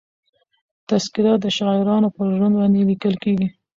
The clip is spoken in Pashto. تذکره د شاعرانو پر ژوند باندي لیکل کېږي.